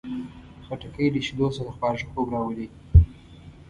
خټکی له شیدو سره خواږه خوب راولي.